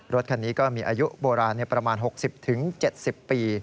รถคันนี้ก็มีอายุโบราณประมาณ๖๐๗๐ปี